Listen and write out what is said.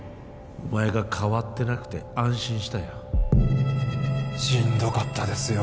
お前が変わってなくて安心したよしんどかったですよ